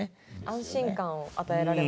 安心感を与えられますよね。